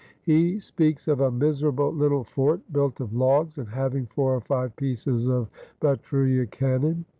He speaks of a miserable little fort built of logs and having four or five pieces of Breteuil cannon.